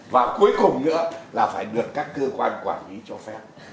và cuối cùng nữa là phải được các cơ quan quản lý cho phép